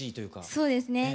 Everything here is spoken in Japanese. そうですね。